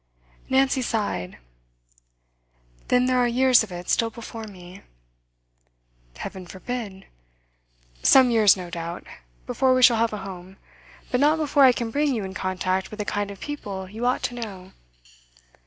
Nancy sighed. 'Then there are years of it still before me.' 'Heaven forbid! Some years, no doubt, before we shall have a home; but not before I can bring you in contact with the kind of people you ought to know.